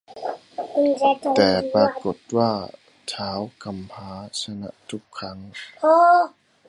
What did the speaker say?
แต่ปรากฏว่าท้าวกำพร้าชนะทุกครั้ง